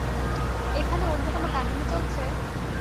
এখানে অন্যকোনো কাহিনী চলছে?